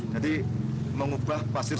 jadi mengubah pasir